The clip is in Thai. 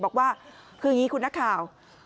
บอกว่าคืออย่างนี้คุณนักข่าว